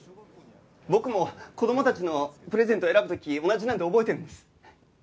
僕も子供たちのプレゼント選ぶ時同じなんで覚えてるんです。